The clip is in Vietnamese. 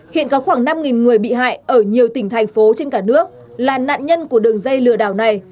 hiện có khoảng năm người bị hại ở nhiều tỉnh thành phố trên cả nước là nạn nhân của đường dây lừa đảo này